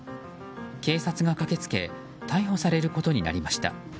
警察が駆けつけ逮捕されることになりました。